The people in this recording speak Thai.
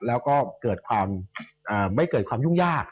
แล้วก็ไม่เกิดความยุ่งยาก